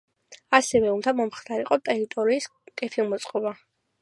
ასევე უნდა მომხდარიყო ტერიტორიის კეთილმოწყობა.